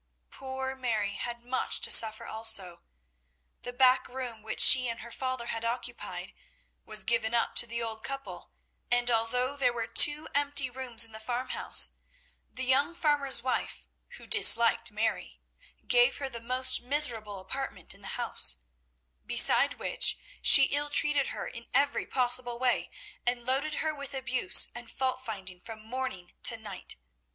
Poor Mary had much to suffer also. The back room which she and her father had occupied was given up to the old couple, and, although there were two empty rooms in the farmhouse, the young farmer's wife, who disliked Mary, gave her the most miserable apartment in the house; beside which, she ill treated her in every possible way, and loaded her with abuse and fault finding from morning to night.